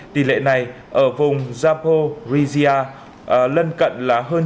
tỷ lệ này ở vùng zaporizhia lân cận là hơn chín mươi ba